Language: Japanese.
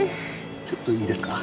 ちょっといいですか？